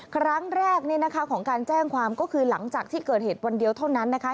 ครั้งแรกเนี่ยนะคะของการแจ้งความก็คือหลังจากที่เกิดเหตุวันเดียวเท่านั้นนะคะ